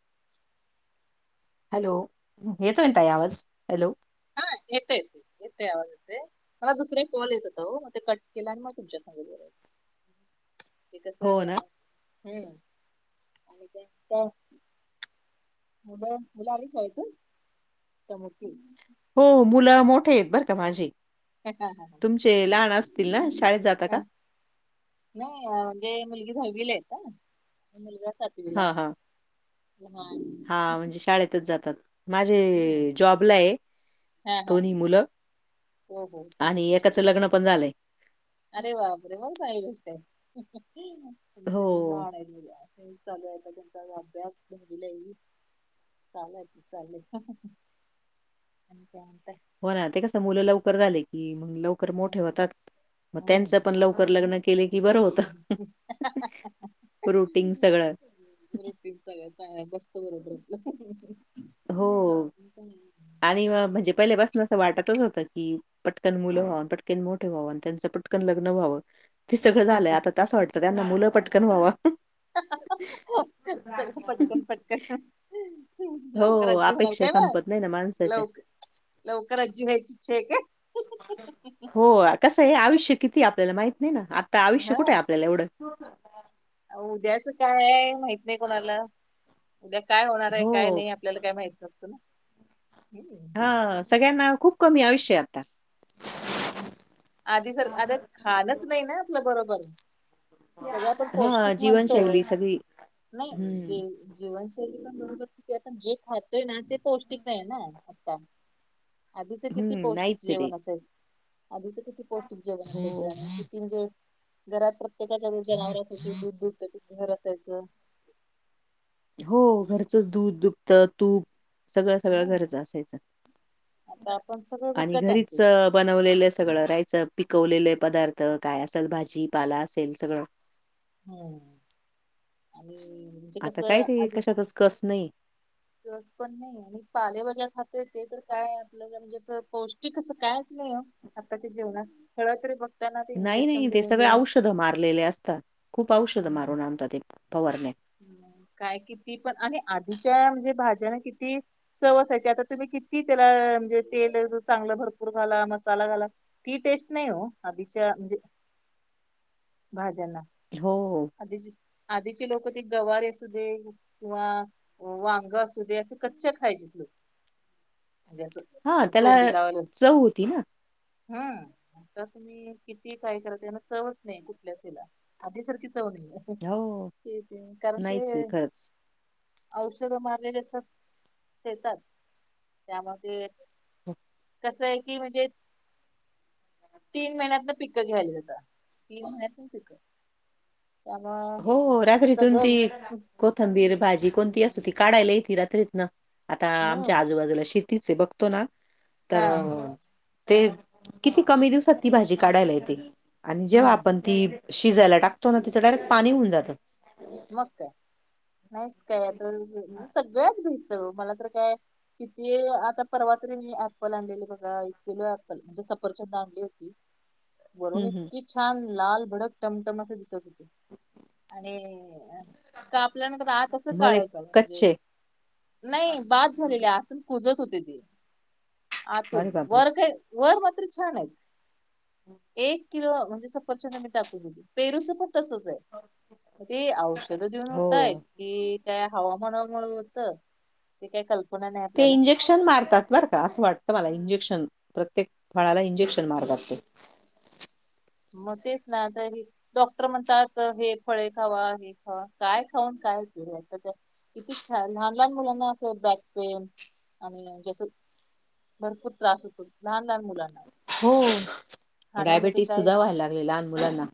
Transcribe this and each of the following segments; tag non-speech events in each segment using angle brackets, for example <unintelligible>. <inaudible> Hello,, येतोय ताई आवाज हॅलो हा येतय. येते आवाज येते,, मला दुसरें कॉल येत होता ओ, मग ते कट केला आणि मग तुमच्या सांगित ब ते हो ना हम् <unintelligible> मुलं मुलं आली शाळेतून त्यामुळं ती हो, मुलं मोठे आहेत बरं का माझे तुमचे लहान असतील ना, शाळेत जाता का? नाही. म्हणजे मुलगी दहावीला ये आता अनं मुलगा सातवीला हा हा <unintelligible> हा म्हणजे शाळेतच जातात. हम्म माझे जॉबला ये हा हा हा. दोन्ही मुलं हो हो चागंली आणि गोष्ट एकाचं हाय. लग्न पण झालंय अरे बापरे, मंग चागंली गोष्ट आय. हो आमचे लहान येत मुळं हेच चालू ये आता त्याचाच अभ्यास, दहावीला हाय ही चालायचच चालय, आणि काय म्हणताय हो ना ते कस, मुलं लवकर झाले की, मंग लवकर मोठे हम्म होतात. म त्यांच पण हम्म लवकर लग्न केले की बरं होत. रुटींग सगळं रुटिंग सगळं चा मस्त बरोबर होत हो आणि म्हणजे पहिल्यापासणाच असं वाटतच होत की, पटकन मुलं व्हावं. आणि पटकन मोठे व्हावं. आणि त्यांचं पटकन लग्न व्हावं. ते सगळं झालंय. आता त असं वाटत त्यांना मुलं पटकन व्हावा. सगळ पटकन पटकन लवकर हो, आजी होणार अपेक्षा काय म, संपत नाही ना माणसाच्या. लवकर लवकर आजी व्हायची इच्छा ये काय? हो कसंय, आयुष्य किती ये आपल्याला माहित नाय ना, आता आयुष्य हा कुठय आपल्याला एवढं उद्याच काय हाय माहित नाय कोणाला, उद्या काय होणार हाय काय हो. नाही. आप आपल्याला काय माहित नसतं ना, हूं हा सगळ्यांना खूप कमी आयुष्य ये आता. आधी सार आता खाणच नाय न आपलं बरोबर सगळं आपण हां, पौष्टिक म्हणतो. जीवनशैली सगळी नाय हं, जे जेवणं तरी पण बरोबर की, ते आपण जे खातोय ना ते पौष्टिक हाय ना आता आधीच किती हं. पौष्टीक नाहीच आहे ते. जेवण असायच. आधीचं किती पौष्टिक जेवण असायच. हो, आणि किती म्हणजे घरात प्रत्येकाच्या जनावर असायची दूध दूबत घर असायचं हो. घरचं दूध, दुपत तूप सगळ सगळं हम्म घरचं असायचं आता आपण सगळं आणि विकत आणतो घरीच बनवलेलं सगळं राहायचं. पिकवलेले पदार्थ काय असल भाजी पाला असेल सगळं हो आणि म्हणजे आता कसं काय ते, कशातच कस नाही. कस पण नाही. आणि पाले भाज्या खातोय ते तर काय आपल्याला म्हणजे असं, पौष्टिक असं कायच नाय ओ आताच्या जेवणात, फळ तरी बघताय ना ते इंजेक्शन देऊन, देऊन षध मारलेले असता. खूप औषध मारून आणता ते फवारण्या हूं काय किती पण आणि आधीच्या म्हणजे भाज्यांना किती चव असायची. आता तुम्ही किती त्याला म्हणजे तेल चांगलं भरपूर घाला, मसाला घाला. ती टेस्ट नाय ओ. आधीच्या म्हणजे भाज्यांना हो हो. आधीची आधीचे लोक ते गवारे असू दे किंवा वांग असू दे, असे कच्चे खायचेत लोक, म्हणजे हां, असं त्याला तोंडी लावलेत, चव होती ना. हम्म आता तुम्ही किती काय करा त्यांना चवच नाय. कुठल्या हेला, आधीसारखी चव नाहीये. हो, ठीक ये, कारण ते नाहीच आहे खरंच. औषध मारलेले असतात शेतात त्यामध्ये हम <unintelligible> कसं आहे की म्हणजे, तीन महिन्यात न पिकं घ्यालेत अता तीन महिन्यात न पिक हो रात्रीतून सगळं ती कोथंबीर भाजी कोणती असो ती काढायला येती रात्रीतनं आता आमच्या हम्म आजूबाजूला शेती तीच बघतो ना हा तर ते किती कमी दिवसात ती भाजी काढायला येते आणि जेव्हा हम्म आपण ती शिजायला टाकतो ना तीच डायरेक्ट पाणी होऊन जातं. मग काय नाहीच काय आता सगळ्यात भेटत ओ मला तर काय. किती आता परवा तर मी ऍप्पल आणलेली बघा एक किलो अँप्पल म्हणजे सफरचंद आणली होती. <inaudible> वरून हम्म हम्म. इतकी छान लाल भडक टमटम असे दिसत होते आणि कापल्या नंतर आत अस मध्ये काळ एकदम म्हणजे, कच्चे नाही बाद झालेली आतून कुजत होते ते, आतून अरे बापरे वर काय वर मात्र छान आहेत, एक किलो म्हणजे सफरचंद आमी टाकून दिली. पेरूच पण तसच आहे, ते औषध देऊन होतय हो. कि काय हवा कोणामुळे होत ते काही कल्पना नाही ते आपल्याला इंजेक्शन मारतात बर का असं वाटतं मला इंजेक्शन प्रत्येक फळाला इंजेक्शन मारतात ते. मग तेच ना आता हे डॉक्टर म्हणतात हे फळे खावा हे खावा काय खाऊन काय उपयोग त्याचा. किती छान लहान लहान मुलांना असं बॅक पेन आणि जसं भरपूर त्रास होतो लहान लहान मुलांना. हो खाण्यामध्ये डायबेटीस काय सुद्धा व्हायला लागले लहान मुलांना.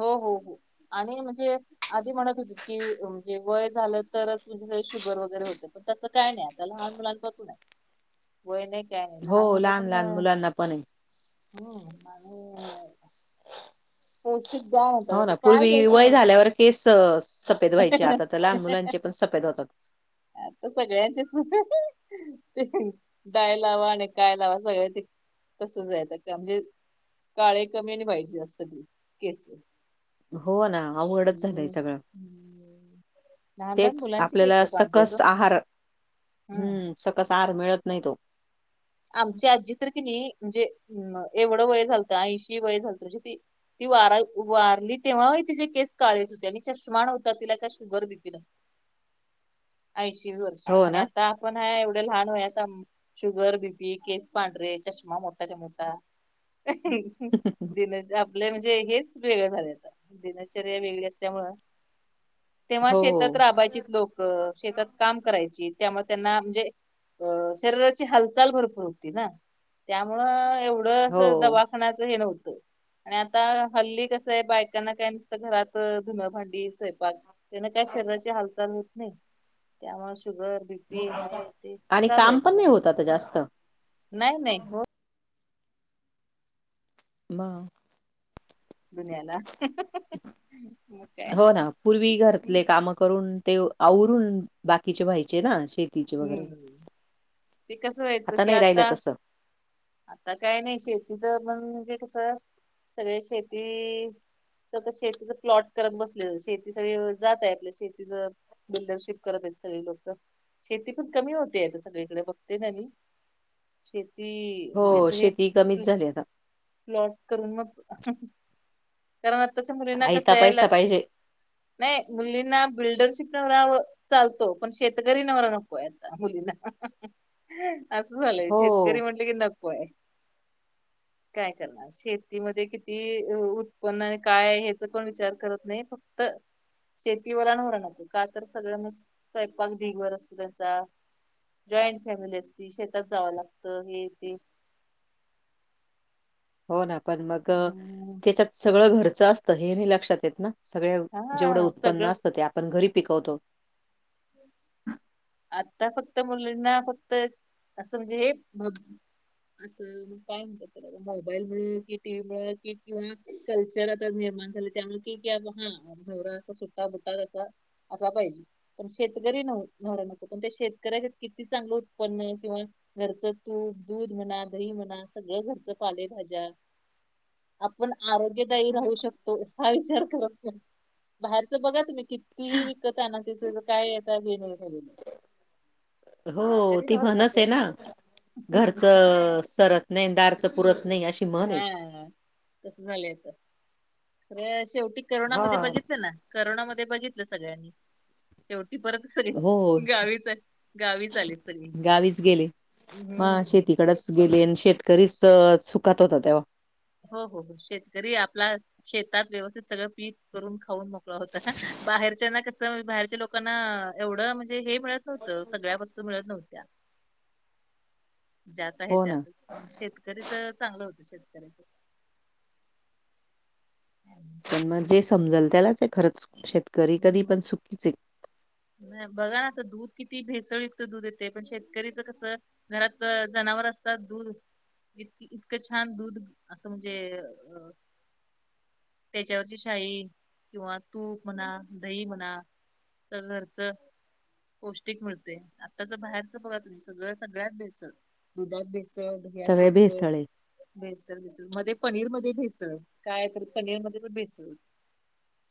हो हो हो आणि म्हणजे, आधी म्हणत होती की म्हणजे वय झालं तरच म्हणजे शुगर वगैरे होते. पण तसं काय नाही आता लहान मुलांपासून आहे. वय नाही काय नाही, हो लहान मूल पण लहान मुलांना पण आहे. <inaudible> पौष्टिक द्या म्हणतात हो आता ना काय पूर्वी द्यायचं वय मला झाल्यावर केस सफेद व्हायचे आता तर लहान मुलांचे. सफेद होतात. आता सगळ्यांचेच ते डाय लावा आणि काय लावा सगळं ते तसचयेतं का म्हणजे काळे कमी आणि वाईट जास्त त केस. हो ना अवघडच झालंय हम्म सगळं. हम्म. लहान लहान तेच मुलांची केस आपल्याला पांढरेत ओ सकस आहार. हम्म सकस आहार मिळत नाही तो आमची आजी तर की नाही म्हणजे अ एवढं वय झालतं ऐंशी वय झालतं म्हणजे ती ती वारा वारली तेव्हा तिचे केस काळेत होते आणि चष्मान होता काय शुगर बीपी ऐंशी वर्ष. हो ना? आता आपण हा एवढ्या लहान वयात शुगर बीपी पी केस पांढरे चष्मा मोठाच्या मोठा दिन ग म्हणजे हेच वेगळं झाले आता दिनचर्या वेगळी असल्यामुळे. तेव्हा हो, शेतात राबायचेत लोक. शेतात काम करायची त्यामुळ त्यांना म्हणजे शरीराची हालचाल भरपूर होती ना त्यामुळ एवढ अस हो दवाखान्याच हे नव्हत. आणि आता हल्ली कस आहे बायकांना काय नुसत घरात धुनभांडी, स्वयंपाक. त्याने काय शरीराची हालचाल होत नाही त्यामुळे शुगर, बी पी आहे ते आणि चालू काम आहे सगळ. <unintelligible> जास्त. नाही नाही हो मग दुनियाला मग काय. हो ना, पूर्वी घरातले कामं करून ते आवरून बाकीचे व्हायचे ना आशे. हम्म ते कस व्हायच की नाही राहिलं आता. तसं. आता काय नाही शेती तर पण म्हणजे कस सगळे शेती तर शेतीच प्लॉट करत बसले शेती सगळी जात आहे आपल शेतीच. बिल्डरशिप करत आहेत सगळी लोक. शेती पण कमी होतीये आता सगळीकडे बघते ना मी शेती हो म्हणजे असं हे शेती कमीच झाली आता. प्लॉट करून मग कारण आताच्या मुलींना कस आयता आहे पैसा लग पाहिजे. नाही मुलींना बिल्डरशीप नवरा चालतो पण शेतकरी नवरा नकोय आता मुलींना. अस झालय हो, शेतकरी म्हटल की नकोय काय करणार. शेतीमध्ये किती उत्पन्न आणि काय आहे ह्याच कोण विचार करत नाही, फक्त शेतीवाला नवरा नको का तर सगळ्यांना स्वयंपाक ढिगभर असतो. घरचा जॉईंट फॅमिली असती शेतात जाव लागत हे तेे. हो ना पण मग हम्म त्याच्यात सगळ घरच असत हे नाही लक्षात येत ना. सगळ जेवढ हा उत्पन्न सगळं असत ते आपण घरी पिकवतो. आता फक्त मुलींना फक्त अस म्हणजे हे अस काय म्हणतात? मोबाईलमुळ कि टीव्हीमुळ कि किंवा कल्चर आता निर्माण झाल त्यामुळे कि <unintelligible> नवरा अस सुट्टा बुट्टात असा असा पाहिजे. पण शेतकरी नवरा नवरा नको पण त्या शेतकऱ्याच्यात किती चांगल उत्पन्न आहे किंवा घरच तूप, दूध म्हणा दही म्हणा सगळ घरच पालेभाज्या. आपण आरोग्यदायी राहू शकतो हा विचार करत नाही. बाहेरच बघा तुम्ही कितीही विकत आना तिथ <unintelligible> काय आता <unintelligible> झालेल. हो ती म्हणच नको आहे ना घरच सरत नाही दारच पुरत नाही. अशी म्हण आहे. हां तस झालाय तर खर शेवटी करोना मध्ये हा. बघितल ना. करोना मध्ये बघितल सगळ्यांनी शेवटी परत सगळी हो गावीच आले गावीच आले सगळे. <unintelligible> गेली आणि शेतकरीच सुखात होता तेव्हा. हो हो शेतकरी आपला शेतात व्यवस्थित सगळ पीक करून खाऊन मग. हो बाहेरच्यांना कस बाहेरच्या लोकांना एवढ म्हणजे हे मिळत नव्हत सगळ्या वस्तू मिळत नव्हत्या. ज्यात आहे हो ना त्यातच पण शेतकरीच चांगल होत शेतकऱ्याच. पण मग त्यांनी जे समजल त्यालाच आहे खरच शेतकरी कधी हम्म पण सुखीच आहे. बघा ना आता दूध किती भेसळयुक्त दूध येतय पण शेतकऱ्याचा कस. घरात जनावर असतात दूध इतकी इतकं छान दूध असं म्हणजे अ त्याच्यावरची साई किंवा तूप म्हणा, दही म्हणा <unintelligible> राचं. पौष्टिक मिळते आताच बाहेरच बघा तुम्ही सगळं सगळ्यात भेसळ दुधात भेसळ स सगळे दयास भेसळ आहे <unintelligible> भेसळ भेसळ मध्ये पनीर मध्ये भेसळ काय तर पनीर मध्ये पण भेसळ.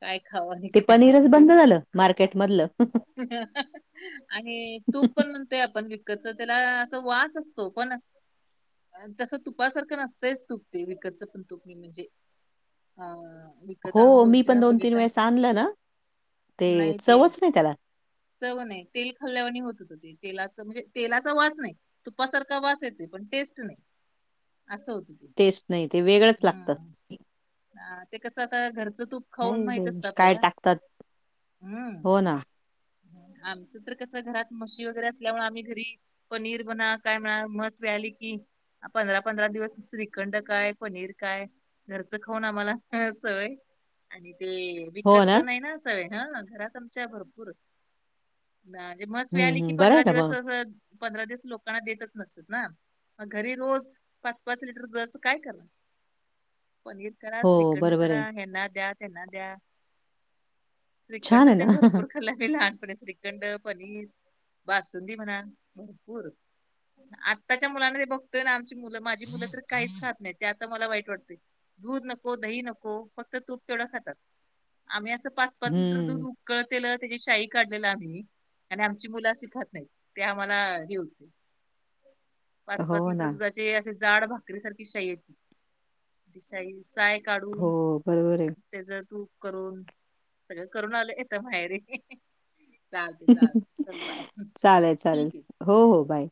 काय खावं. ते काय पनीरच बंद झालं मार्केट मधलं. <inaudible> आणि तूप पण म्हणतोय आपण विकतच त्याला अस वास असतो पण तसं तुपासारखं नसतंच तुपते विकतचं पण तुप म्हणजे. हा. हो मी पण दोन-तीन वेळेस आणलं ना ते नाही ते चवच नाही त्याला. चव नाही तेल खाल्ल्या वाणी होत ते. तेलाच म्हणजे तेलाचा वास नाही तुपासारखा वास येतोय पण टेस्ट नाही. असं होत. ते टेस्ट नाही ते वेगळंच लागतं. ह ते कसं आता घरचं तूप काय खाऊन माहित बाई असत काय आपल्याला, टाकतात हम्म. हो ना आमचं तर कसं घरात म्हशी वगैरे असल्यामुळे आम्ही घरी पनीर म्हणा काय म्हणा म्हस व्याली की पंधरा-पंधरा दिवस श्रीखंड काय, पनीर काय घरच खाऊन आम्हाला सवय आणि ते विकतच नाही ना सवय हा घरात आमच्या भरपूर. हा ते म्हस व्याली ली हम्म की हम्म बरं आहे पंधरा ना दिवस मग. अस पंधरा दिवस लोकांना देतच नसतात ना. घरी रोज पाच-पाच लिटर दुधाच काय करणार. पनीर करा, हो श्रीकंड बरोबर आहे करा हेना द्या, त्यांना द्या. छान श्रीखंड आहे ना येन भरपू खाल्ल की लहानपणी श्रीखंड, पनीर, बासुंदी म्हणा भरपूर. आत्ताच्या मुलांकडे बघतोय ना आमची मुलं माझी मुलं तर काहीच खात नाही त्यात. त मला वाईट वाटते दूध नको, दही नको फक्त तूप तेवढं खातात. आम्ही असं पाच-पाच लिटर दूध हम्म उकत त्याला त्याची शाही काढलेलं आम्ही आणि आमची मुलं अशी खात नाही ते आम्हाला हे होत <inaudible> पाच-पाच हो लिटर ना दुधाचे अशी जाड भाकरी सारखी शाही येती ती शाई. साय हो काढून बरोबर आहे. त्याच तूप करून सगळं करून आलं की तर माहेरे <inaudible> चालेल चालेल ठीक हो आहे. हो बाय.